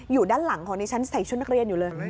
อยู่ด้านหลังของดิฉันใส่ชุดนักเรียนอยู่เลย